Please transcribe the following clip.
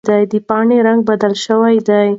د پاڼې رنګ بدل شوی دی.